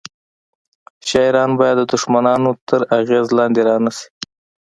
شاعران باید د دښمنانو تر اغیز لاندې رانه شي